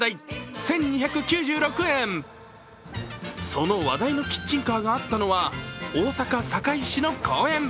その話題のキッチンカーがあったのは大阪・堺市の公園。